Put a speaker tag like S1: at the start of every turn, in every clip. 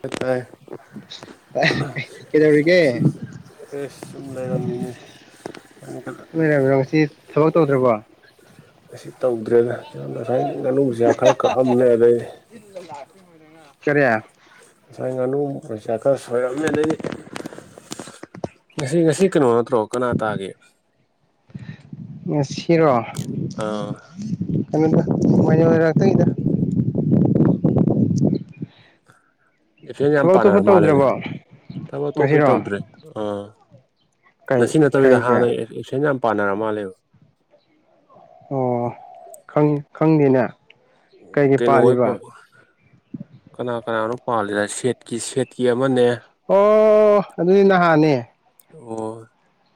S1: ꯂꯇꯥ
S2: ꯀꯩꯗꯧꯔꯤꯒꯦ
S1: ꯑꯦ ꯁꯨꯝ ꯂꯩꯔꯝꯃꯤꯅꯦ
S2: ꯃꯣꯏꯔꯝꯔꯣꯁꯤ ꯊꯕꯛ ꯇꯧꯗ꯭ꯔꯕꯣ
S1: ꯑꯁꯤ ꯇꯧꯗ꯭ꯔꯦꯗ ꯉꯁꯥꯏ ꯉꯥꯅꯨꯁꯤꯁꯥ ꯈꯔ ꯀꯛꯑꯝꯃꯦ ꯑꯗꯩ
S2: ꯀꯔꯤ
S1: ꯉꯁꯥꯏ ꯉꯥꯅꯨ ꯄ꯭ꯔ ꯆꯥꯛꯀꯔ ꯁꯣꯏꯔꯝꯃꯦ ꯂꯩ ꯁꯤ ꯉꯁꯤ ꯀꯩꯅꯣ ꯅꯠꯇ꯭ꯔꯣ ꯀꯅꯥ ꯇꯥꯒꯦ
S2: ꯉꯁꯤꯔꯣ
S1: ꯑꯦꯞꯁꯦꯟ
S2: ꯀꯃꯥꯏ ꯉꯛꯇꯗ
S1: ꯑꯣ ꯏꯐꯦꯟ ꯌꯥꯝ
S2: ꯊꯕꯛ ꯑꯇꯣꯞꯄ
S1: ꯄꯥꯅꯔ ꯃꯥꯜꯂꯦꯅꯦ
S2: ꯇꯧꯗ꯭ꯔꯕꯣ
S1: ꯊꯕꯛ ꯑꯇꯣꯞꯄꯗꯤ
S2: ꯉꯁꯤꯔꯣ
S1: ꯇꯧꯗ꯭ꯔꯦ ꯑꯥ
S2: ꯀꯩ
S1: ꯑꯁꯤ ꯅꯠꯇꯕꯤꯗ
S2: ꯀꯩꯒꯤ
S1: ꯍꯥꯟꯅ ꯑꯦꯁꯟ ꯌꯥꯝ ꯄꯥꯟꯅꯔ ꯃꯥꯜꯂꯦꯕ
S2: ꯑꯣ ꯈꯪꯗꯦꯅꯦ ꯀꯩꯒꯤ
S1: ꯀꯩꯅꯩꯅꯣ ꯑꯣꯏ
S2: ꯄꯥꯜꯂꯤꯕ
S1: ꯀꯅꯥ ꯀꯅꯥꯅꯣ ꯄꯥꯜꯂꯤꯅ ꯁꯦꯠꯀꯤ ꯁꯦꯠꯀꯤ ꯑꯃꯅꯦ
S2: ꯑꯣ ꯑꯗꯨꯗꯤ ꯅꯍꯥꯟꯅꯦ
S1: ꯑꯣ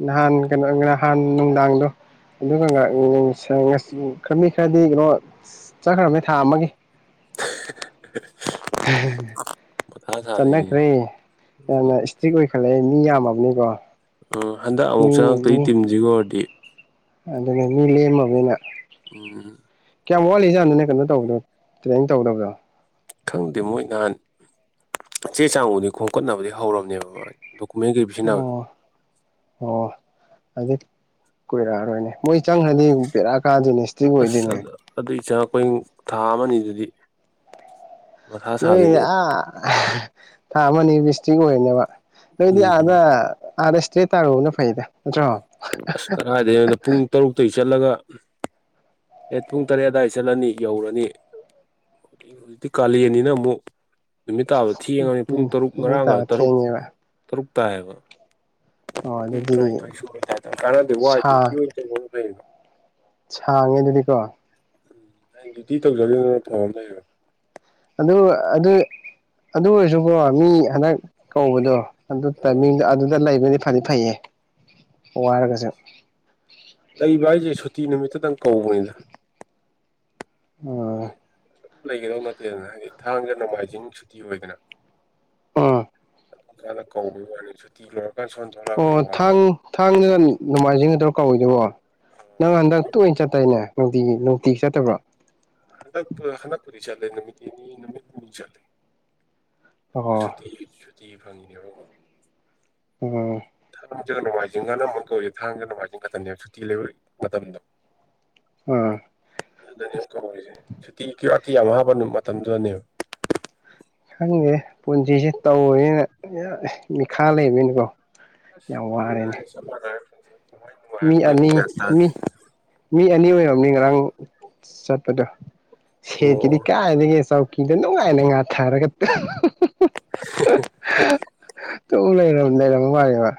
S2: ꯅꯍꯥꯟ ꯀꯩꯅꯣ ꯅꯍꯥꯟ ꯅꯨꯡꯗꯥꯡꯗ ꯑꯗꯨꯒ ꯈꯔ ꯃꯤ ꯈꯔꯗꯤ ꯀꯩꯅꯣ ꯆꯠꯈ꯭ꯔꯕꯅꯤ ꯊꯥ ꯑꯃꯒꯤ
S1: ꯃꯊꯥ ꯁꯥꯗꯣꯏꯅꯤꯅꯦ
S2: ꯆꯠꯅꯈ꯭ꯔꯦ ꯌꯥꯝꯅ ꯆꯛ ꯀꯈꯜꯂꯛꯑꯦ ꯃꯤ ꯌꯥꯝꯃꯕꯅꯤꯀꯣ
S1: ꯑꯣ ꯍꯟꯗꯛ
S2: ꯃꯤ
S1: ꯑꯃꯨꯛ
S2: ꯃꯤ
S1: ꯆꯪꯉꯛꯇꯒꯤ ꯇꯤꯝꯁꯤ ꯑꯣꯏꯔꯗꯤ
S2: ꯑꯗꯨꯅ ꯃꯤ ꯂꯦꯝꯃꯕꯅ
S1: ꯑꯣ
S2: ꯀꯌꯥꯝ ꯋꯥꯠꯂꯤꯖꯥꯠꯅꯅꯦ ꯀꯩꯅꯣ ꯇꯧꯕꯗꯣ ꯇ꯭ꯔꯦꯅꯤꯡ ꯇꯧꯗꯕꯗꯣ
S1: ꯈꯪꯗꯦ ꯃꯣꯏ ꯅꯍꯥꯟ ꯆꯦ ꯆꯥꯡꯃꯗꯤ ꯈꯣꯝꯀꯠꯅꯕꯗꯤ ꯍꯧꯔꯝꯅꯦꯕ ꯃꯥ ꯗꯣꯛꯀꯃꯦꯟꯒꯤ
S2: ꯑꯣ ꯑꯣ ꯑꯗꯨꯗꯤ ꯀꯣꯏꯔꯛꯑꯔꯣꯏꯅꯦ ꯃꯣꯏ ꯆꯪꯈ꯭ꯔꯗꯤ ꯄꯦꯔꯥ ꯀꯥꯗꯣꯏꯅꯦ ꯏꯁꯇ꯭ꯔꯤꯛ ꯑꯣꯏꯗꯣꯏꯅꯦ
S1: ꯑꯗꯨꯒꯤ ꯆꯥꯡ ꯑꯩꯈꯣꯏ ꯊꯥ ꯑꯃꯅꯤ ꯑꯗꯨꯗꯤ
S2: ꯅꯣꯏ ꯑꯥ ꯊꯥ ꯑꯃꯅꯤ ꯕꯤꯁꯇ꯭ꯔꯤꯛ ꯑꯣꯏꯅꯦꯕ ꯅꯣꯏꯗꯤ ꯑꯥꯗ
S1: ꯎꯝ
S2: ꯑꯥꯗ ꯏꯁꯇ꯭ꯔꯦꯠ ꯇꯥꯔꯨꯕꯅ ꯐꯩꯗ ꯅꯠꯇ꯭ꯔꯣ
S1: ꯑꯁ ꯀꯗꯥꯥꯏꯗꯒꯤꯣꯗ ꯄꯨꯡ ꯇꯔꯨꯛꯇꯒꯤ ꯆꯠꯂꯒ ꯑꯩꯠ ꯄꯨꯡ ꯇꯔꯦꯠ ꯑꯗꯨꯋꯥꯏꯗ ꯆꯠꯂꯅꯤ ꯌꯧꯔꯅꯤ ꯍꯧ ꯍꯧꯖꯤꯛꯇꯤ ꯀꯥꯂꯦꯟꯅꯤꯅ ꯑꯃꯨꯛ ꯅꯨꯃꯤꯠ ꯇꯥꯕ ꯊꯦꯡꯉꯅꯤ ꯄꯨꯡ
S2: ꯎꯝ
S1: ꯇꯔꯨꯛ
S2: ꯅꯣꯏ
S1: ꯉꯔꯥꯡꯒ
S2: ꯇꯥꯕ
S1: ꯇꯔꯨꯛ
S2: ꯊꯦꯡꯉꯦꯕ
S1: ꯇꯔꯨꯛ ꯇꯥꯏꯌꯦꯕ
S2: ꯑꯣ
S1: ꯄꯨꯡ
S2: ꯑꯗꯨꯗꯤ
S1: ꯇꯔꯥꯅꯤꯊꯣꯏ ꯁꯨꯔ ꯀꯥꯟꯅꯗꯤ ꯋꯥꯏ ꯀ
S2: ꯁꯥ
S1: ꯀꯅꯣ
S2: ꯁꯥꯡꯉꯦ ꯑꯗꯨꯗꯤꯀꯣ
S1: ꯗꯗꯨꯗꯤꯇꯤ ꯇꯧꯖꯒꯦꯗꯅ ꯊꯧꯔꯝꯗꯣꯏꯕ
S2: ꯑꯗꯨ ꯑꯗꯨ ꯑꯗꯨ ꯑꯣꯏꯔꯁꯨꯀꯣ ꯃꯤ ꯍꯟꯗꯛ ꯀꯧꯕꯗꯣ ꯑꯗꯨ
S1: ꯂꯩꯌꯦꯕ
S2: ꯇꯥꯏꯃꯤꯡꯗ ꯑꯗꯨꯗ ꯂꯩꯕꯗꯤ ꯐꯗꯤ ꯐꯩꯌꯦ ꯋꯥꯔꯒꯁꯨ
S1: ꯂꯩꯕ ꯍꯥꯏꯁꯦ ꯁꯨꯇꯤ ꯅꯨꯃꯤꯠꯇꯗꯪ ꯀꯧꯕꯅꯤꯗ
S2: ꯑꯣꯝ
S1: ꯑꯗꯨꯝ ꯂꯩꯒꯗꯧ ꯅꯠꯇꯦꯗꯅ ꯍꯥꯏꯗꯤ ꯊꯥꯡꯖ ꯅꯣꯡꯃꯥꯏꯖꯤꯡ ꯁꯨꯇꯤ ꯑꯣꯏꯗꯅ
S2: ꯎꯝ
S1: [unintelligible] ꯀꯧꯕꯩ ꯋꯥꯅꯤꯁꯨꯇꯤ ꯂꯣꯏꯔꯀꯥꯟ ꯁꯣꯟ ꯊꯣꯛꯂꯛꯑꯒꯅ
S2: ꯑꯣ
S1: ꯋꯥꯕ
S2: ꯊꯥꯡ ꯊꯥꯡꯖꯒ ꯅꯣꯡꯃꯥꯏꯖꯤꯡꯒ ꯗꯔꫭ ꯀꯧꯔꯤꯖꯤꯕꯣ ꯅꯪ ꯍꯟꯗꯛ
S1: ꯑꯗꯨꯝ
S2: ꯇꯣꯏꯅ ꯆꯠꯇꯣꯏꯅꯦ ꯅꯨꯡꯇꯤ ꯅꯨꯡꯇꯤꯒꯤ ꯆꯠꯇꯕ꯭ꯔꯣ
S1: ꯍꯟꯅꯛ ꯍꯥꯟꯅꯛꯄꯨꯔꯤ ꯆꯥꯂꯦ ꯅꯨꯃꯤꯗ ꯅꯅꯤ ꯅꯨꯃꯤꯠ ꯍꯨꯝꯅꯤ ꯆꯠꯂꯦ
S2: ꯑꯣ
S1: ꯁꯨꯇꯤ ꯁꯨꯇꯤ ꯐꯪꯉꯤꯅꯦꯕ ꯑꯃꯨꯛ
S2: ꯑꯣꯝ
S1: ꯊꯥꯡꯖꯒ ꯅꯣꯡꯃꯥꯏꯖꯤꯡꯒꯅ ꯑꯃꯨꯛ ꯀꯧꯏ ꯊꯥꯡꯖ ꯅꯣꯡꯃꯥꯏꯖꯤꯡ ꯈꯛꯇꯅꯦꯕ ꯁꯨꯇꯤ ꯂꯩꯕ ꯃꯇꯝꯗꯣ
S2: ꯎꯝ
S1: ꯑꯗꯨꯗꯅꯦꯕ ꯀꯔꯤꯁꯦ ꯁꯨꯇꯤ [unintelligible] ꯃꯇꯝꯗꯨꯗꯅꯦꯕ
S2: ꯈꯪꯗꯦ ꯄꯨꯟꯁꯤꯁꯦ ꯇꯧꯔꯦꯅ ꯃꯤꯈꯥ ꯂꯩꯕꯅꯤꯀꯣ
S1: [unintelligible]
S2: ꯃꯤ
S1: ꯅꯨꯡꯉꯥꯏꯔꯛꯄꯅꯣ ꯑꯩ
S2: ꯑꯅꯤ
S1: ꯒ꯭ꯌꯥꯟ ꯇꯥꯗꯦ
S2: ꯃꯤ ꯃꯤ ꯑꯅꯤ ꯑꯣꯏꯔꯝꯅꯤ ꯉꯔꯥꯡ ꯆꯠꯄꯗꯣ ꯁꯦꯠꯀꯤꯗꯤ
S1: ꯑꯣ
S2: ꯀꯌꯥ ꯀꯥꯏꯗꯒꯤ ꯆꯧꯀꯤꯗꯣ ꯅꯨꯡꯉꯥꯏꯅ ꯉꯥꯊꯥꯔꯒ ꯇ
S1: [unintelligible]
S2: ꯇꯨꯝ ꯂꯩꯔꯝ ꯂꯩꯔꯝꯝꯕꯅꯦ ꯃꯥ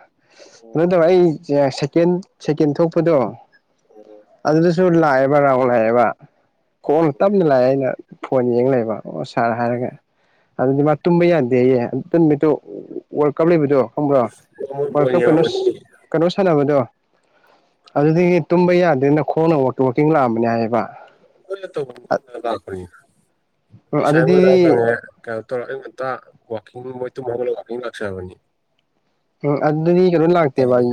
S2: ꯀꯩꯅꫭꯇꯧꯔꫭ ꯑꯩ ꯁꯦꯀꯦꯟ ꯁꯦꯀꯦꯟ ꯊꯣꯛꯄꯗꯣ
S1: ꯑꯣ
S2: ꯑꯗꯨꯗꯁꯨ ꯂꯥꯛꯑꯦꯕ ꯔꯥꯎꯟ ꯂꯥꯛꯑꯦꯕ ꯈꫭꯡꯅ ꯇꯞꯅ ꯂꯥꯛꯑꯦ ꯑꯩꯅ ꯐꯣꯟ ꯌꯦꯡ ꯂꯩꯕ ꯑꯣ ꯁꯥꯔ ꯍꯥꯏꯔꯒ ꯑꯗꯨꯗꯤ ꯃꯥ ꯇꯨꯝꯕ ꯌꯥꯗꯦ ꯑꯗꯨꯗ ꯇꯨꯝꯃꯤꯠꯗꯣ ꯋꯥꯔꯜ ꯀꯞ ꯂꯩꯕꯗꯣ ꯈꯪꯕ꯭ꯔꯣ
S1: ꯃꯣꯏ
S2: ꯋꯥꯔꯜ
S1: ꯕꯣꯜ
S2: ꯀꯞ ꯀꯩꯅꯣ
S1: ꯌꯦꯡꯉꯝꯃꯅꯤ
S2: ꯀꯩꯅꯣ ꯁꯥꯟꯅꯕꯗꯣ ꯑꯗꯨꯗꯤꯗꯒꯤ ꯇꯨꯝꯕ ꯌꯥꯔ ꯑꯗꯨꯅ ꯈꯣꯡꯅ ꯑꯣꯇ ꯋꯥꯀꯤꯡ ꯂꯥꯛꯑꯝꯕꯅꯦ ꯍꯥꯏꯌꯦꯕ
S1: [unintelligible] ꯀꯩꯅꯣ ꯇꯧꯔꯒ
S2: ꯑꯗꯨꯗꯤ
S1: ꯑꯩ ꯉꯝꯇ ꯋꯥꯋꯀꯤꯡ ꯃꯣꯏ ꯇꯨꯝꯍꯅ ꯋꯥꯋꯀꯤꯡ ꯂꯥꯛꯆꯔꯕꯅꯤ
S2: ꯎꯝ ꯑꯗꯨꯗꯤ ꯀꯩꯅꯣꯝ ꯂꯥꯛꯇꯦꯕ [unintelligible]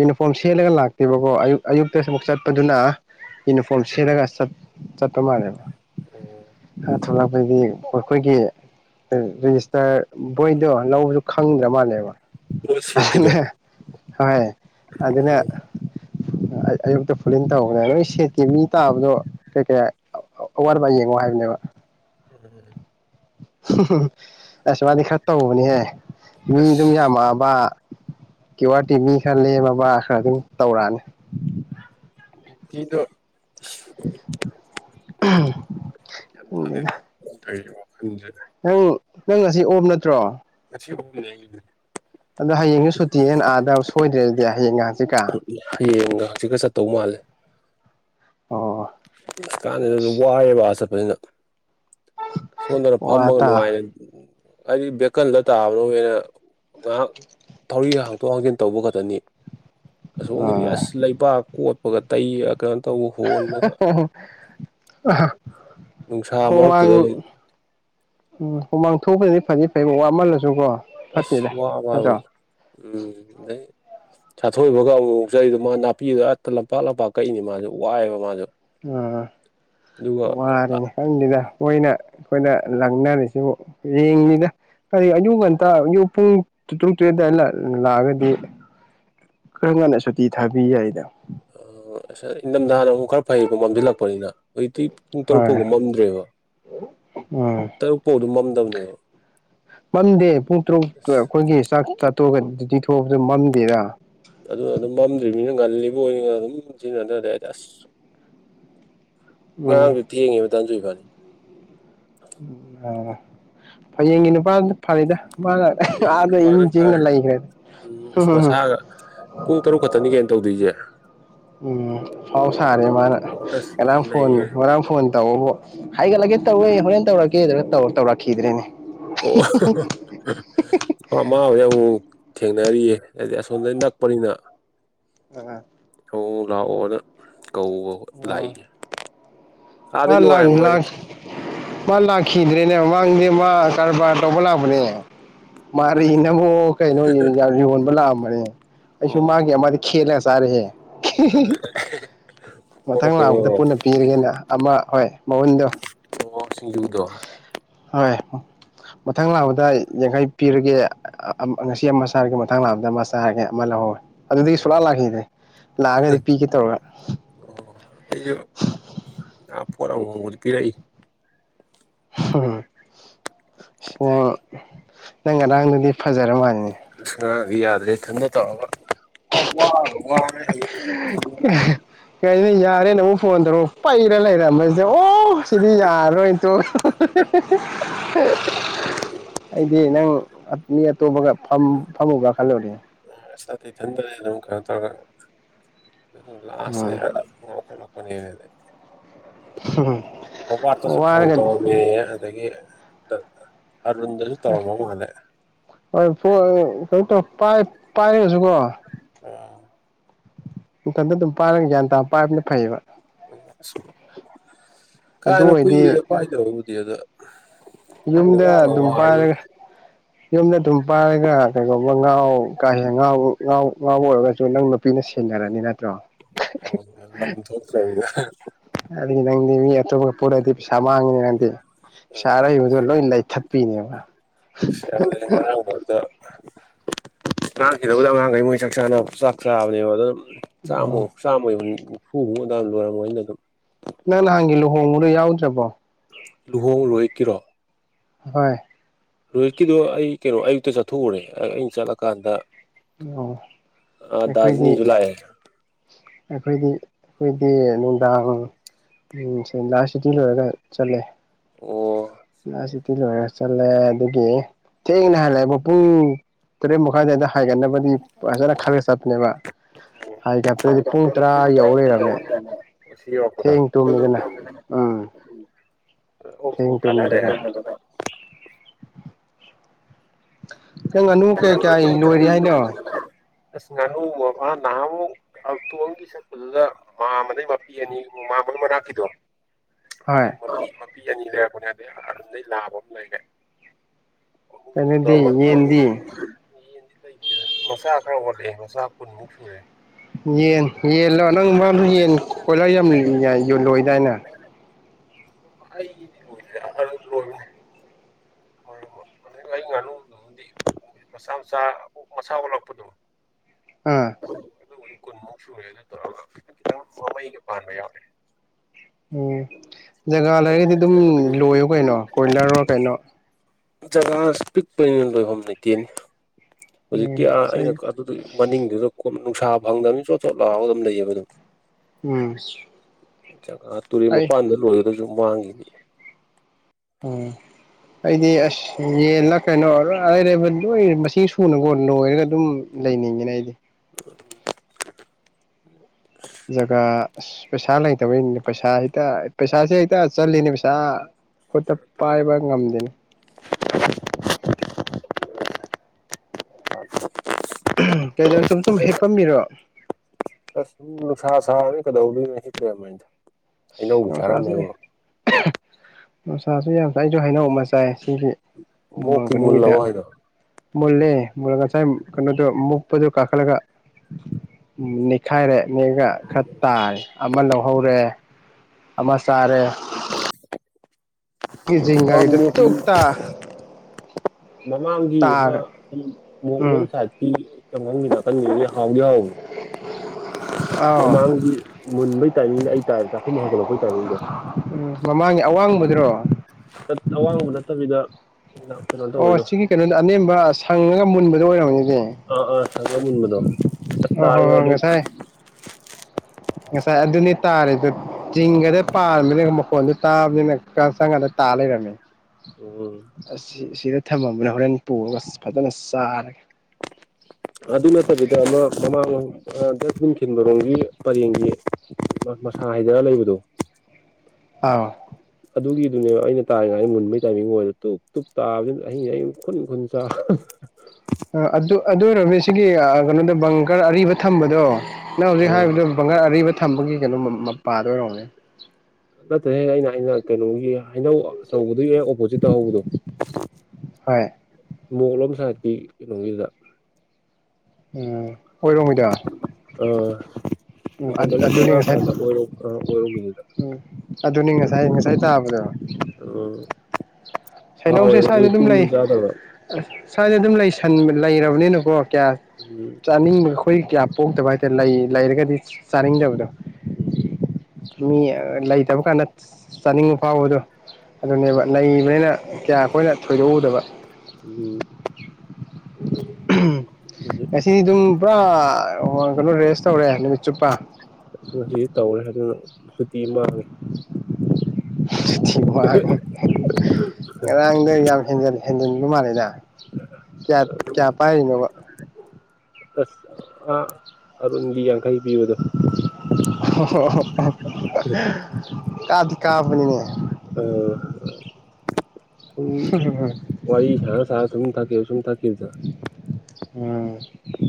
S2: ꯌꯨꯅꯤꯐꯣꯔꯝ ꯁꯦꯠꯂꯒ ꯂꯥꯛꯇꯦꯕꯀꯣ ꯑꯌꯨꯛ ꯑꯌꯨꯛꯇ ꯁ ꯑꯃꯨꯛ ꯆꯠꯄꯗꯨꯅ ꯌꯨꯅꯤꯐꯣꯔꯝ ꯁꯦꯠꯒ ꯆꯠ ꯆꯠꯇ ꯃꯥꯜꯂꯦꯕ
S1: ꯑꯣ
S2: ꯊꯣꯛꯂꯛꯄꯗꯤ ꯈꫭꯏꯒꯤꯑꯩꯈꯣꯏꯋꯗꯓꯝꯝ ꯃꯇꯧ ꯑꯩ ꯔꯦꯖꯤꯁꯇꯔ ꯕꯣꯏꯗꯣ ꯂꯧꯕꯁꯨ ꯈꯪꯗ꯭ꯔ ꯃꯥꯜꯂꯕ ꯑꯗꯨꯅ
S1: ꯁꯦꯠꯀꯤꯗꯣ
S2: ꯍꯣꯏ ꯑꯗꯨꯅ ꯑꯌꯨꯛꯇ ꯐꯨꯂꯤꯟ ꯇꯧꯕꯅꯦ ꯅꯣꯏ ꯁꯦꯠꯀꯤ ꯃꯤ ꯇꯥꯕꯗꯣ ꯀꯩ ꯀꯩ ꯑꯋꯥꯠꯕ ꯌꯦꯡꯉꯣ ꯍꯥꯏꯕꯅꯦꯕ
S1: [unintelligible]
S2: ꯃꯥꯗꯤ ꯈꯔ ꯇꯧꯕꯅꯦꯍꯦ ꯃꯤ ꯑꯗꯨꯝ
S1: ꯑꯁ
S2: ꯌꯥꯝꯃꯛꯑꯕ ꯀꯤꯌꯨ ꯑꯥꯔ ꯇꯤ ꯃꯤ ꯈꯔ ꯂꯦꯝꯃꯕꯥ ꯈꯔ ꯑꯗꯨꯝ ꯇꯧꯔꯛꯑꯅꯤ
S1: [unintelligible] [unintelligible]
S2: ꯈꯪꯗꯦꯗ
S1: [unintelligible]
S2: ꯅꯪ ꯅꯪ ꯉꯁꯤ ꯑꯣꯞ ꯅꯠꯇ꯭ꯔꯣ
S1: [unintelligible]
S2: ꯑꯗꯣ ꯍꯌꯦꯡꯁꯨ ꯁꯨꯇꯤꯅ ꯑꯥꯗ ꯁꯣꯏꯗ꯭ꯔꯦꯗꯤ ꯍꯌꯦꯡ ꯉꯍꯥꯛꯁꯤ ꯀ
S1: ꯍꯌꯦꯡꯒ ꯍꯧꯖꯤꯛꯀ ꯆꯠꯇꯧ ꯃꯥꯜꯂꯦ
S2: ꯑꯣ
S1: ꯀꯥꯟꯗꯦꯗ ꯑꯗꯨꯝ
S2: ꯑꯁ
S1: ꯋꯥꯏꯑꯦꯕ ꯑ ꯆꯠꯄꯅꯤꯅ ꯁꯣꯟꯗꯅ
S2: ꯋꯥ
S1: ꯐꯝꯃꯒ
S2: ꯇꯥ
S1: ꯅꯨꯡꯉꯥꯏꯅ ꯑꯩꯗꯤ ꯕꯦꯛꯀꯜꯗ ꯇꯥꯕꯗꯧꯒꯤꯅ ꯉꯥꯏꯍꯥꯛ ꯊꯧꯔꯤ ꯍꯥꯡꯇꯣꯛ ꯍꯥꯡꯖꯤꯟ ꯇꯧꯕ ꯈꯛꯇꯅꯤ ꯑꯁꯣꯝꯒꯤꯗꯤ
S2: ꯑꯥ
S1: ꯑꯁ ꯂꯩꯕꯥꯛ ꯀꯣꯠꯄꯒ ꯇꯩ ꯀꯩꯅꯣ ꯇꯧꯕ ꯍꯣꯟꯕꯒ
S2: [unintelligible]
S1: ꯑꯩ ꯅꯨꯡꯁꯥ
S2: ꯍꯨꯃꯥꯡ
S1: ꯃꯔꯛꯇꯨꯗ ꯑꯗꯨꯝ
S2: ꯎꯝ ꯍꯨꯃꯥꯡ ꯊꯣꯛꯄꯅꯗꯤ ꯐꯅꯤ ꯐꯩꯕꯣ ꯋꯥꯃꯜꯂꯁꯨꯀꯣ
S1: ꯑꯁ
S2: ꯐꯠꯇꯦꯗ
S1: ꯋꯥꯕ ꯍꯥꯏꯕꯨ
S2: ꯅꯠꯇ꯭ꯔꯣ
S1: ꯎꯝ ꯑꯗꯩ ꯆꯥꯊꯣꯏꯕꯒ ꯑꯃꯨꯛ ꯆꯩꯗꯣ ꯃꯥ ꯅꯥꯄꯤꯗꯣ ꯑꯦꯠꯇ ꯂꯝꯄꯥꯛ ꯂꯝꯄꯥꯛ ꯀꯛꯏꯅꯤ ꯃꯥꯖꯨ ꯋꯥꯏꯑꯕ ꯃꯥꯖꯨ
S2: ꯑꯥ ꯋꯥꯔꯦꯅꯦ ꯈꯪꯗꯦꯗ ꯃꯣꯏꯅ ꯑꯩꯈꯣꯏꯅ ꯂꯪꯅꯔꯤꯁꯤꯕꯨ ꯌꯦꯡꯅꯤꯗ ꯀꯔꯤ ꯑꯌꯨꯛ ꯉꯟꯇ ꯑꯌꯨꯛ ꯄꯨꯡ ꯇꯨꯔꯨꯛ ꯇꯔꯦꯠ ꯑꯗꯥꯏ ꯂꯥꯛ ꯂꯥꯛꯑꯒꯗꯤ ꯈꯔ ꯉꯟꯅ ꯁꯨꯇꯤ ꯊꯥꯕꯤ ꯌꯥꯏꯗ
S1: ꯑꯣ ꯑꯁꯁꯩ ꯏꯪꯗꯝꯗꯥꯅꯕꯨ ꯈꯔ ꯐꯩꯕ ꯃꯝꯖꯤꯜꯂꯛꯄꯅꯤꯅ ꯍꯧꯖꯤꯛꯇꯤ ꯄꯨꯡ ꯇꯔꯨꯛ
S2: ꯍꯣꯏ
S1: ꯐꯥꯎꯕ ꯃꯝꯗ꯭ꯔꯦꯕ
S2: ꯎꯝ
S1: ꯇꯔꯨꯛ ꯄꯧ ꯑꯗꯨꯝ ꯃꯝꯗꯕꯅꯦꯕ
S2: ꯃꯝꯗꯦ ꯄꯨꯡ ꯇꯔꯨꯛꯇ
S1: ꯑꯁ
S2: ꯑꯩꯈꯣꯏꯒꯤ ꯆꯥꯛ ꯆꯥꯊꯣꯛꯑꯒ ꯗꯤꯇꯤ ꯊꯣꯛꯑꯕꯁꯨ ꯃꯝꯗꯦꯗ
S1: ꯑꯗꯨꯅ ꯑꯗꯨꯝ ꯃꯝꯗ꯭ꯔꯤꯕꯤꯅꯤꯅ ꯉꯜꯂꯤꯕꯣꯏ ꯅꯤꯡꯉꯒ ꯑꯗꯨꯝ ꯁꯤꯖꯤꯟꯅꯗ꯭ꯔꯗꯤ ꯍꯥꯏꯗꯤ ꯑꯁ
S2: ꯎꯝ
S1: ꯉꯔꯥꯡꯖꯨ ꯊꯦꯡꯉꯦꯕ ꯗꯅꯖꯣꯏ ꯏꯕꯥꯅꯤ
S2: ꯎꯝ ꯑꯥ ꯐꯌꯦꯡꯒꯤ ꯅꯨꯄꯥꯗꯨꯅ ꯐꯔꯦꯗ ꯃꯥꯅ
S1: ꯅꯪꯒꯤ
S2: ꯑꯥꯗ ꯏꯤꯡ
S1: ꯅꯨꯄꯥꯅ
S2: ꯆꯤꯛꯅ
S1: ꯐꯔꯦ
S2: ꯂꯩꯒ꯭ꯔꯦ
S1: ꯎꯝ ꯑꯁ ꯃꯁꯥꯒ ꯄꯨꯡ ꯇꯔꯨꯛ ꯈꯛꯇꯅꯤ ꯀꯩꯅꯣ ꯇꯧꯗꯣꯏꯖꯦ
S2: ꯎꯝ ꯐꯥꯎ ꯁꯥꯔꯦ ꯃꯥꯅ
S1: ꯑꯁ ꯃꯥ
S2: ꯉꯔꯥꯡ ꯐꯣꯟ
S1: ꯅꯩꯈ꯭ꯔꯦ
S2: ꯉꯔꯥꯡ ꯐꯣꯟ ꯇꯧꯕꯕꯨ ꯍꯥꯏꯒꯠꯂꯒꯦ ꯇꯧꯔꯦ ꯍꯣꯔꯦꯟ ꯇꯧꯔꯛꯀꯦ ꯑꯗꯨꯒ ꯇꯧꯔꯛ ꯇꯧꯔꯛꯈꯤꯗ꯭ꯔꯦꯅꯦ
S1: ꯑꯣ ꯑꯣ ꯃꯥꯕꯨꯗꯤ ꯑꯃꯨꯛ ꯃꯨꯛ ꯊꯦꯡꯅꯔꯤꯌꯦ ꯍꯥꯏꯗꯤ ꯑꯁꯣꯟꯗ ꯅꯛꯄꯅꯤꯅ
S2: ꯑꯉꯥꯡ
S1: ꯍꯧꯍꯧ ꯂꯥꯛꯑꯣꯅ ꯀꯧꯕꯕꯨ ꯂꯥꯛꯏ ꯑꯥꯗꯩ
S2: ꯑꯥ ꯂꯥꯡ
S1: ꯅꯨꯡꯉꯥꯏꯕ ꯃꯥꯗꯤ
S2: ꯂꯥꯡ ꯃꯥ ꯂꯥꯛꯈꯤꯗ꯭ꯔꯦꯅꯦ ꯃꯥꯡꯗꯤ ꯃꯥ ꯀ꯭ꯔꯕꯥꯔ ꯇꯧꯕ ꯂꯥꯛꯄꯅꯦ
S1: ꯀꯩꯅꯣ
S2: ꯃꯥꯔꯤꯅꯕꯑꯣ ꯀꯩꯅꯣ ꯌꯥꯝ ꯌꯣꯟꯕ ꯂꯥꯛꯑꯝꯕꯅꯦ ꯑꯩꯁꯨ ꯃꯥꯒꯤ ꯑꯃꯗꯤ ꯈꯦꯠꯂꯒ ꯆꯥꯔꯦꯍꯦ
S1: ꯑꯣ
S2: ꯃꯊꯪ ꯂꯥꯛꯕꯗ
S1: ꯀꯩꯅꯣ
S2: ꯄꯨꯟꯅ ꯄꯤꯔꯒꯦꯅ ꯑꯃ ꯍꯣꯏ ꯃꯋꯨꯟꯗꯣ
S1: ꯄꯨꯋꯣꯛ ꯁꯤꯡꯖꯨꯗꯣ
S2: ꯍꯣꯏ ꯃꯊꯪ ꯂꯥꯛꯕꯗ ꯌꯥꯡꯈꯩ ꯄꯤꯔꯒꯦ ꯉꯁꯤ ꯑꯃ ꯆꯥꯔꯒꯦ ꯃꯊꯪ ꯂꯥꯛꯕꯗ ꯑꯃ ꯆꯥꯔꯒꯦ ꯑꯃ ꯂꯧꯍꯧꯋꯦ ꯑꯗꯨꯗꯒꯤ ꯁꯨꯡꯂꯥꯛ
S1: ꯑꯣ
S2: ꯂꯥꯛꯈꯤꯗ꯭ꯔꯦ ꯂꯥꯛꯑꯒꯗꯤ ꯄꯤꯒꯦ ꯇꯧꯔ
S1: ꯑꯣ ꯑꯩꯁꯨ ꯉꯍꯥꯛ ꯄꯣꯠ ꯑꯃꯨꯛ ꯃꯨꯛꯄꯨꯗꯤ ꯄꯤꯔꯛꯏ
S2: ꯅꯪ ꯅꯪ ꯉꯔꯥꯡꯗꯨꯗꯤ ꯐꯖꯔ ꯃꯥꯜꯂꯦꯅꯦ
S1: ꯑꯁ ꯉꯔꯥꯡꯗꯤ ꯌꯥꯗ꯭ꯔꯦ ꯏꯊꯟꯗ ꯇꯧꯔꯒ ꯑꯧ ꯋꯥꯕꯅ ꯋꯥꯕꯅꯦ
S2: ꯑꯦ ꯀꯩꯅꯣ ꯌꯥꯔꯦ ꯅꯃꯨꯛ ꯐꯣꯟ ꯇꯧꯔꯛꯑꯣ ꯄꯩꯔ ꯂꯩꯔꯝꯃꯦ ꯑꯗ ꯑꯣ ꯁꯤꯗꯤ ꯌꯥꯔꯔꯣꯏ ꯇꯣ ꯑꯩꯗꯤ ꯅꯪ ꯃꯤ ꯑꯇꯣꯞꯄꯒ ꯐꯝ ꯐꯝꯃꯨꯕ꯭ꯔ ꯈꯜꯂꯨꯨꯔꯦ
S1: ꯑꯁ ꯇꯛꯇꯤ ꯏꯊꯟꯗꯅꯦ ꯑꯗꯨꯝ ꯈꯔ ꯇꯧꯔꯒ ꯑꯗꯨꯝ ꯂꯥꯁꯅꯦ
S2: ꯎꯝ
S1: ꯍꯣꯋꯥꯠꯇꯁꯨ ꯐꯣꯟ
S2: ꯋꯥꯔꯒ
S1: ꯇꯧꯔꯝꯃꯦꯌꯦ ꯑꯗꯒꯤ ꯇꯠ ꯑꯔꯨꯟꯗꯖꯨ ꯇꯧꯔꯝꯃ ꯃꯥꯜꯂꯦ
S2: ꯍꯣꯏ ꯐꯣꯟ ꯀꯩꯅꯣ ꯇꯧ ꯄꯥꯏ ꯄꯥꯏꯔꯖꯨꯀꯣ
S1: ꯑꯣ
S2: ꯏꯊꯟꯗ ꯑꯗꯨꯝ ꯄꯥꯏꯔꯒ ꯒ꯭ꯌꯥꯟ ꯇꯥ ꯄꯥꯏꯕꯅ ꯐꯩꯑꯕ
S1: ꯑꯣ ꯑꯁ
S2: ꯑꯗꯨ
S1: ꯀꯥꯏꯗꯩꯅꯣ
S2: ꯑꯣꯏꯔꯗꯤ
S1: ꯀꯨꯏꯔꯦꯗ ꯄꯥꯏꯗꯕꯕꯨꯗꯤ ꯑꯗ ꯉꯔꯥꯡꯗꯤ
S2: ꯌꯨꯝꯗ
S1: ꯋꯥꯒ
S2: ꯑꯗꯨꯝ
S1: ꯋꯥꯕꯤꯅꯤ
S2: ꯄꯥꯏꯔꯒ ꯌꯨꯝꯗ ꯑꯗꯨꯝ ꯄꯥꯏꯔꯒ ꯀꯩꯒꯨꯝꯕ ꯉꯥꯎ ꯀꯥ ꯍꯦꯟꯅ ꯉꯥꯎ ꯉꯥꯎ ꯉꯥꯎꯕ ꯑꯣꯏꯔꯒꯁꯨ ꯅꯪꯅ ꯑꯩꯅ ꯁꯦꯟꯟꯅꯔꯅꯤ ꯅꯪ ꯅꯠꯇ꯭ꯔꯣ
S1: ꯑꯣ ꯂꯝ ꯊꯣꯛ ꯆꯣꯏꯔ [unintelligible]
S2: ꯅꯪꯗꯤ ꯃꯤ ꯑꯇꯣꯞꯄ ꯄꯨꯜꯂꯗꯤ ꯄꯩꯁꯥ ꯃꯥꯡꯅꯤ ꯅꯪꯗꯤ ꯄꯩꯁꯥ ꯑꯔꯩꯕ ꯑꯗꯨ ꯂꯣꯏ ꯂꯩꯊꯠꯄꯤꯅꯦꯕ
S1: ꯁꯤ ꯑꯗꯨꯗꯤ ꯉꯔꯥꯡ ꯐꯎꯗꯥ ꯉꯥꯡꯈꯤꯗꯧꯕꯗ ꯑꯉꯥꯡꯈꯩ ꯃꯣꯏ ꯆꯥꯛ ꯆꯥꯅꯕ ꯆꯥꯛ ꯆꯥꯕꯅꯦꯕ ꯑꯗꯨꯗ ꯑꯗꯨꯝ ꯆꯥꯝꯃ
S2: ꯎꯝ
S1: ꯆꯥꯝꯃꯒꯤ ꯍꯨꯝꯐꯨ ꯃꯨꯛ ꯂꯣꯏꯔꯝꯒꯅꯤꯗ ꯑꯗꯨꯝ
S2: ꯅꯪ ꯍꯪꯒꯤ ꯂꯨꯍꯣꯡꯕꯗꯣ ꯌꯥꯎꯗ꯭ꯔꯕꯣ
S1: ꯂꯨꯍꯣꯡ ꯔꯣꯍꯤꯠꯀꯤꯔꯣ
S2: ꯍꯣꯏ
S1: ꯔꯣꯍꯤꯠꯀꯤꯗꯣ ꯑꯩ ꯀꯩꯅꯣ ꯑꯌꯨꯛꯇ ꯆꯠꯊꯣꯛꯎꯨꯔꯦ ꯑꯩꯅ ꯆꯠꯂꯀꯥꯟꯗ
S2: ꯑꯣ
S1: ꯑꯥ ꯗꯥ
S2: ꯑꯩꯈꯣꯏꯗꯤ
S1: ꯖꯤꯅꯤꯁꯨ ꯂꯛꯑꯦ
S2: ꯑꯩꯈꯣꯏꯗꯤ ꯑꯩꯈꯣꯏꯗꯤ ꯅꯨꯡꯗꯥꯡ ꯎꯝ ꯂꯥꯁꯇꯤ ꯂꯣꯏꯔꯒ ꯆꯂꯦ
S1: ꯑꯣ
S2: ꯂꯥꯁꯇꯤ ꯂꯣꯏꯔꯒ ꯆꯠꯂꯦ ꯑꯗꯒꯤ ꯊꯦꯡꯅ ꯍꯜꯂꯛꯑꯦꯕ ꯄꯨꯡ ꯇꯔꯦꯠ ꯃꯈꯥꯏꯗꯋꯥꯏꯗ ꯍꯥꯏꯒꯠꯅꯕꯗꯤ ꯐꯖꯅ ꯈꯜꯂꯒ ꯆꯠꯄꯅꯦꯕ ꯍꯥꯏꯒꯠꯄꯗꯗꯤ ꯄꯨꯡ ꯇꯔꯥ ꯌꯧ ꯂꯩꯔꯝꯃꯦ
S1: ꯑꯁꯤ ꯌꯧꯔꯛꯄꯗ
S2: ꯊꯦꯡ ꯇꯨꯝꯃꯤꯗꯅ ꯎꯝ
S1: ꯑꯣꯛ
S2: ꯊꯦꯡ
S1: ꯊꯣꯡꯕ
S2: ꯇꯨꯝꯃꯦ
S1: ꯆꯥꯗꯔꯛꯑꯦ
S2: ꯑꯗꯨꯒ ꯅꯪ ꯉꯥꯅꯨ ꯀꯩ ꯀꯥꯏ ꯂꯣꯏꯔꯤ ꯍꯥꯏꯅꯣ
S1: [unintelligible] ꯑꯁ ꯉꯅꯨ ꯑꯃ ꯅꯍꯟꯃꯨꯛ ꯑꯜꯇꯣ ꯑꯃ ꯑꯗꯨꯗ ꯃꯥꯝꯃꯗꯩ ꯃꯄꯤ ꯑꯅꯤ ꯃꯥꯝꯃꯍꯣꯏꯒꯤ ꯃꯅꯥꯛꯀꯤꯗꯣ
S2: ꯍꯣꯏ
S1: ꯑꯗꯩ ꯃꯄꯤ ꯑꯅꯤ ꯂꯩꯔꯛꯄꯅꯦ ꯑꯗꯩ ꯑꯥꯗꯩ ꯂꯥꯕ ꯑꯃ ꯂꯩꯔꯦ ꯑꯍꯨꯝꯗꯣ
S2: ꯑꯗꯨꯗꯤ
S1: ꯇꯧꯔꯒ
S2: ꯌꯦꯟꯗꯤ
S1: ꯌꯦꯟꯗꯤ ꯂꯩꯇꯦꯗ ꯃꯆꯥ ꯈꯔ ꯑꯣꯜꯂꯦ ꯃꯆꯥ ꯀꯨꯟꯃꯨꯛ ꯁꯨꯔꯦ
S2: ꯌꯦꯟ ꯌꯦꯟꯂꯣ ꯅꯪ ꯃꯥꯡꯗ ꯌꯦꯟ ꯀꯣꯏꯂꯔ ꯌꯥꯝ ꯌꯣꯜ ꯂꯣꯏꯗꯥꯏꯅ
S1: ꯑꯩꯒꯤꯗꯤ ꯂꯣꯏꯗꯔ꯭ꯦ ꯂꯣꯏꯔꯦ ꯑꯗꯨ ꯑꯩ ꯉꯥꯅꯨꯗꯨꯕꯨꯗꯤ ꯃꯆꯥ ꯃꯆꯥ ꯃꯆꯥ ꯑꯣꯜꯂꯛꯄꯗꯣ
S2: ꯑꯥ
S1: ꯑꯗꯨꯕꯨꯗꯤ ꯀꯨꯟꯃꯨꯛ ꯁꯨꯔꯦ ꯑꯗꯨ ꯇꯧꯔꯒ ꯈꯤꯇꯪ ꯃꯃꯩꯒ ꯄꯥꯟꯕ ꯌꯥꯎꯔꯦ
S2: ꯎꯝ ꯖꯒꯥ ꯂꯩꯔꯒꯗꯤ ꯑꯗꯨꯝ ꯂꯣꯏꯌꯣ ꯀꯩꯅꯣ ꯀꯣꯏꯂꯔꯣ ꯀꯩꯅꯣ
S1: ꯖꯒꯥ ꯄꯤꯛꯄꯅꯤꯅ ꯂꯣꯏꯕꯝ ꯂꯩꯇꯦꯅꯦ ꯍꯧꯖꯤꯛꯀꯤ
S2: ꯎꯝ
S1: ꯑꯥ ꯑꯩꯅ ꯑꯗꯨꯗꯨꯏ ꯃꯅꯤꯡꯗꯨꯗ ꯅꯨꯡꯁꯥ ꯐꯪꯗꯕꯅꯤꯅ ꯆꯣꯠ ꯆꯣꯠ ꯂꯥꯎꯔ ꯑꯗꯨꯝ ꯂꯩꯌꯦꯕ ꯑꯗꯨꯝ
S2: ꯎꯝ
S1: ꯖꯒꯥ ꯇꯨꯔꯦꯜ
S2: ꯑꯩ
S1: ꯃꯄꯥꯟꯗ ꯂꯣꯏꯒꯗꯕꯁꯨ ꯃꯥꯡꯈꯤꯅꯤ
S2: ꯎꯝ ꯑꯩꯗꯤ ꯑꯁ ꯌꯦꯜꯂ ꯀꯩꯅꯣ ꯑꯔꯩ ꯑꯔꯩ ꯂꯣꯏ ꯃꯁꯤꯡ ꯁꯨꯅꯀꯣ ꯂꯣꯏꯔꯒ ꯑꯗꯨꯝ ꯂꯩꯅꯤꯡꯉꯤꯅꯦ ꯑꯩꯗꯤ
S1: [unintelligible]
S2: ꯖꯒꯥ ꯑꯁ ꯄꯩꯁꯥ ꯂꯩꯇꯕꯩꯅꯤꯅꯦ ꯄꯩꯁꯥ ꯍꯦꯛꯇ ꯄꯩꯁꯥꯁꯦ ꯍꯦꯛꯇ ꯆꯠꯂꯦꯅꯦ ꯄꯩꯁꯥ ꯈꯨꯠꯇ
S1: ꯇꯥꯔꯦ
S2: ꯄꯥꯏꯕ ꯉꯝꯗꯦꯅꯦ ꯀꯩꯅꯣ ꯁꯨꯝ ꯁꯨꯝ ꯍꯤꯞꯄꯝꯃꯤꯔꯣ
S1: ꯑꯁ ꯁꯨꯝ ꯅꯨꯡꯁꯥ ꯁꯥꯕꯗ ꯀꯩꯗꯧꯗꯨꯏꯅꯦ ꯍꯤꯞ ꯂꯩꯔꯝꯃꯤꯅꯤꯗ
S2: ꯑꯁ ꯅꯨꯡꯁꯥꯖꯤꯗꯤ [unintelligible] ꯅꯨꯡꯁꯥꯖꯨ ꯌꯥꯝ [unintelligible] ꯑꯩꯖꯨ ꯍꯩꯅꯧ ꯑꯃ ꯆꯥꯥꯏ ꯁꯤꯒꯤ
S1: ꯃꯣꯛꯀꯤ
S2: [unintelligible] ꯒꯤꯗ
S1: ꯃꯨꯜꯂꯕꯣ ꯍꯥꯏꯗꯣ
S2: ꯃꯨꯜꯂꯦ ꯉꯁꯥꯏ ꯀꯩꯅꯣꯗꯣ ꯃꯨꯛꯄꯗꯣ ꯀꯥꯈꯠꯂꯒ ꯅꯤꯛꯈꯥꯏꯔꯦ [unintelligible] ꯈꯔ ꯇꯥꯔꯦ ꯑꯃ ꯂꯧꯍꯧꯔꯦ ꯑꯃ ꯆꯥꯔꯦ
S1: [unintelligible]
S2: ꯈꯣꯏ ꯖꯤꯡꯒꯒꯤꯗꯣ
S1: ꯃꯣꯛꯀꯤ
S2: ꯇꯨꯛꯇꯥ
S1: ꯃꯃꯥꯡꯒꯤ ꯑꯃ
S2: ꯎꯝ
S1: ꯃꯣꯛꯂꯣꯝ ꯁꯥꯏꯠꯀꯤ ꯆꯪꯕꯝꯒꯤ ꯅꯥꯀꯟꯒꯤꯗꯨꯗꯤ ꯍꯥꯎꯗꯤ ꯍꯥꯎꯕꯅꯦ
S2: ꯑꯥꯎ
S1: ꯃꯃꯥꯡꯒꯤ ꯃꯨꯟꯕꯩ ꯇꯥꯏꯃꯤꯡꯗ ꯑꯩ ꯇꯥꯏ ꯆꯥꯛꯈꯨꯝ ꯍꯧꯒꯠꯂꯛꯄꯩ ꯇꯥꯏꯃꯤꯡꯗꯣ
S2: ꯎꯝ ꯃꯃꯥꯡꯒꯤ ꯑꯋꯥꯡꯕꯗꯨꯔꯣ
S1: ꯑꯋꯥꯡꯕ ꯅꯠꯇꯕꯤꯗ ꯑꯃ
S2: ꯑꯣ ꯁꯤꯒꯤ ꯀꯩꯅꯣꯗ ꯑꯅꯦꯝꯕ ꯁꯪꯉꯒ ꯃꯨꯟꯕꯗꯣ ꯑꯣꯏꯔꯝꯒꯅꯤ
S1: ꯑ ꯑ ꯁꯪꯉ ꯃꯨꯟꯕꯗꯣ
S2: ꯑꯣ ꯍꯣꯏ ꯍꯣꯏ
S1: ꯇꯔꯤꯉꯩꯗ
S2: ꯉꯁꯥꯏ ꯉꯁꯥꯏ ꯑꯗꯨꯅꯤ ꯇꯥꯔꯤꯗꯨ ꯖꯤꯡꯒꯗ ꯇꯥꯔꯝꯅꯤꯅ ꯃꯈꯣꯟꯗꯣ ꯇꯥꯕꯅꯤꯅ ꯀꯥ ꯆꯪꯒꯥꯟꯗ ꯇꯥ ꯂꯩꯔꯝꯃꯦ
S1: ꯎꯝ
S2: ꯑꯁ ꯁꯤ ꯁꯤꯗ ꯊꯝꯃꯝꯕꯅꯤ ꯍꯣꯔꯦꯟ ꯄꯨꯔꯒ ꯐꯖꯅ ꯆꯥꯔꯒꯦ
S1: ꯑꯗꯨ ꯅꯠꯇꯕꯤꯗ ꯑꯃ ꯃꯃꯥꯡꯂꯣꯝ ꯑ ꯗꯁꯕꯤꯟ [inaudible] ꯈꯤꯟꯕꯔꯣꯝꯒꯤ ꯄꯔꯦꯡꯒꯤ ꯃ ꯃꯁꯥ ꯍꯥꯏꯗꯔ ꯂꯩꯕꯗꯣ
S2: ꯑꯥꯎ
S1: ꯑꯗꯨꯒꯤꯗꯨꯅꯦꯕ ꯑꯩꯅ ꯇꯥꯔꯤꯉꯩꯗ ꯃꯨꯟꯕꯒꯤ ꯇꯥꯏꯃꯤꯡ ꯑꯣꯏꯔꯤꯗꯣ ꯇꯨꯞ ꯇꯥꯕꯒ ꯑꯍꯤꯡꯗ ꯑꯩꯅ ꯈꯨꯟ ꯈꯨꯟ [inaudible]
S2: ꯑ ꯑꯗꯨ ꯑꯗꯨ ꯑꯣꯏꯔꯝꯅꯤ ꯁꯤꯒꯤ ꯑ ꯀꯩꯅꯣꯗ ꯕꯪꯀꯔ ꯑꯔꯤꯕ ꯊꯝꯕꯗꯣ ꯅꯪ ꯍꯧꯖꯤꯛ
S1: ꯑ
S2: ꯍꯥꯏꯔꯤꯕꯗꯣ ꯕꯪꯒꯔ ꯑꯔꯤꯕ ꯊꯝꯕꯒꯤ ꯀꯩꯅꯣ ꯃꯄꯥꯗꯣ ꯑꯣꯏꯔꯝꯒꯅꯤ
S1: ꯅꯠꯇꯦꯍꯦ ꯑꯩꯅ ꯍꯥꯏꯅ ꯀꯩꯅꯣꯒꯤ ꯍꯩꯅꯧ ꯑꯆꯧꯕꯗꯨꯒꯤ ꯍꯦꯛ ꯑꯣꯄꯣꯖꯤꯠꯇ ꯍꯧꯕꯗꯣ
S2: ꯍꯣꯏ
S1: ꯃꯣꯛꯂꯣꯝ ꯁꯥꯥꯏꯠꯀꯤ ꯀꯩꯅꯣꯒꯤꯗ
S2: ꯎꯝ ꯑꯣꯢꯔꯣꯝꯒꯤꯗ
S1: ꯑ
S2: ꯑꯗꯨꯅꯤ ꯉꯁꯥꯏ
S1: [inaudible]
S2: ꯎꯝ ꯑꯗꯨꯅꯤ ꯉꯁꯥꯏ ꯉꯁꯥꯏ ꯇꯥꯕꯗꯣ
S1: ꯎꯝ ꯍꯥꯎꯋꯦ ꯑꯗꯨ ꯇꯤꯟꯖꯨ ꯆꯥꯗꯕ
S2: ꯑꯁ ꯁ꯭ꯋꯥꯏꯗ ꯑꯗꯨꯝ ꯂꯩꯁꯟꯕ ꯂꯩꯔꯕꯅꯤꯅꯀꯣ ꯀꯌꯥ
S1: ꯎꯝ
S2: ꯆꯥꯅꯤꯡꯕ ꯑꯩꯈꯣꯢ ꯀꯌꯥ ꯄꯣꯛꯇꯕ ꯍꯥꯏꯗꯤ ꯂꯩ ꯂꯩꯔꯒꯗꯤ ꯆꯥꯅꯤꯡꯗꯕꯗꯣ
S1: ꯎꯝ
S2: ꯃꯤ ꯂꯩꯇꯕ ꯀꯥꯟꯗ ꯆꯥꯅꯤꯡꯕ ꯐꯥꯎꯕꯗꯣ ꯑꯗꯨꯅꯦꯕ
S1: ꯑꯁ
S2: ꯂꯩꯕꯅꯤꯅ ꯀꯌꯥ ꯑꯩꯈꯣꯏꯅ ꯊꯣꯏꯗꯣꯛꯎꯗꯕ
S1: ꯎꯝ
S2: [unintelligible]
S1: [unintelligible]
S2: ꯉꯁꯤ ꯑꯗꯨꯝ ꯄꯨꯔꯥ ꯔꯦꯁ ꯇꯧꯔꯦ ꯅꯨꯃꯤꯠ ꯆꯨꯞꯄ
S1: ꯉꯁꯤꯗꯤ ꯇꯧꯔꯦ ꯑꯗꯨꯕꯨ ꯁꯨꯇꯤ ꯃꯥꯡꯉꯦ
S2: ꯁꯨꯇꯤ ꯃꯥꯡꯉꯦ ꯉꯔꯥꯡꯗꯤ ꯌꯥꯝ ꯍꯦꯟꯖꯟ ꯍꯦꯟꯖꯟꯕ ꯃꯥꯜꯂꯦꯗ ꯀꯌꯥ ꯀꯌꯥ ꯄꯥꯏꯔꯤꯅꯣꯕ
S1: ꯑꯁ ꯑꯥ ꯑꯔꯨꯟꯒꯤ ꯌꯥꯡꯈꯩ ꯄꯤꯕꯗꯣ
S2: [inaudible]
S1: ꯑꯥ ꯄꯨꯡ ꯋꯥꯔꯤ ꯁꯥꯟꯅ ꯁꯥꯟꯅꯔꯥ ꯁꯨꯝ ꯊꯛꯈꯤ ꯁꯨꯝ ꯊꯛꯈꯤꯕꯗꯣ
S2: ꯎꯝ